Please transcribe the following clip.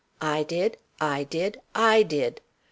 I did! I did! I did!